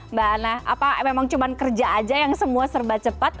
mbak ana apa memang cuma kerja aja yang semua serba cepat